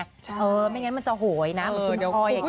ไม่งั้นมันจะโหยนะมันขึ้นคออย่างนี้